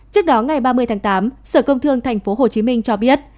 trước đó ngày ba mươi tháng tám sở công thương tp hcm cho biết